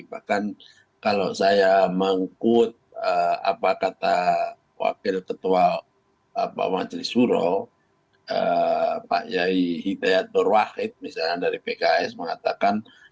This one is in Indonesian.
bahkan kalau saya mengkut apa kata wakil ketua pak majelis wuro pak yai hidayat durwakid misalnya dari pks mengatakan